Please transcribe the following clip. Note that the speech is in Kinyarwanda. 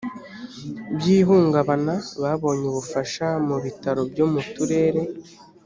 by ihungabana babonye ubufasha mu bitaro byo mu turere